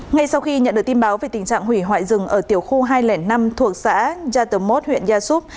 ngay sau khi nhận được tin báo về tình trạng hủy hoại rừng ở tiểu khu hai trăm linh năm thuộc xã yatomot huyện yasup